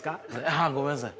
ああごめんなさい。